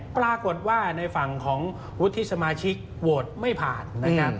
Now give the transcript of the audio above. ปรากฏว่าในฝั่งของวุฒิสมาชิกโหวตไม่ผ่านนะครับ